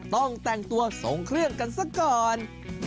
ต้องแต่งตัวทรงเครื่องกันซะก่อน